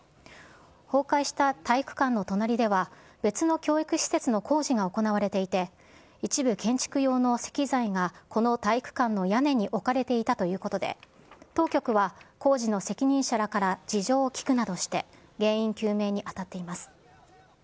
崩壊した体育館の隣では、別の教育施設の工事が行われていて、一部建築用の石材がこの体育館の屋根に置かれていたということで、当局は工事の責任者らから事情を聴くなどして原因究明に当たっています。